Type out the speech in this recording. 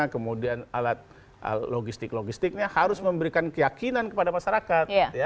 kemudian alat logistik logistiknya harus memberikan keyakinan kepada masyarakat